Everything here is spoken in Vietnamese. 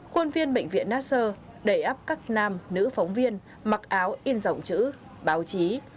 khuôn viên bệnh viện nasser đẩy áp các nam nữ phóng viên mặc áo in dòng chữ báo chí